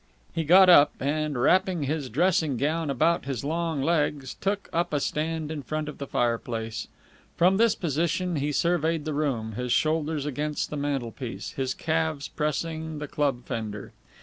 He got up, and, wrapping his dressing gown about his long legs, took up a stand in front of the fireplace. From this position he surveyed the room, his shoulders against the mantelpiece, his calves pressing the club fender.